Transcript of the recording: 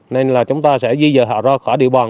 nên là chúng ta sẽ di dờ họ ra khỏi địa bàn